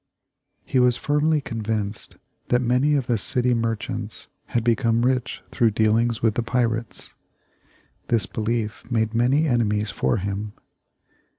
He was firmly convinced that many of the city merchants had become rich through dealings with the pirates. This belief made many enemies for him.